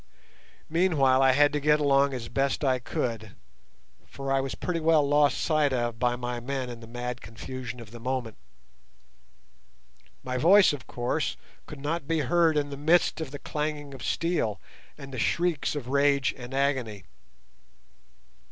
Meanwhile I had to get along as best I could, for I was pretty well lost sight of by my men in the mad confusion of the moment. My voice, of course, could not be heard in the midst of the clanging of steel and the shrieks of rage and agony.